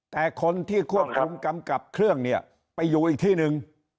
แต่คนที่ควบคุมกำกับเครื่องเนี่ยไปอยู่อีกที่หนึ่ง